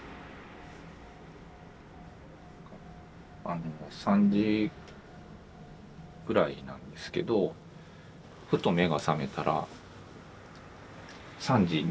あの３時ぐらいなんですけどふと目が覚めたら３時２分だったんですけど。